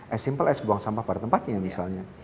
as simple as buang sampah pada tempatnya misalnya